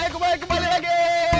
kumain kembali lagi